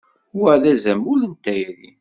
Wa d azamul n tayri.